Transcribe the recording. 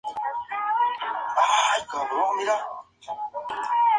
El debate fue moderado en ambas jornadas por el expresidente de Anatel, Bernardo Donoso.